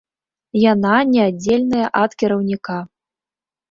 Яна неаддзельная ад кіраўніка.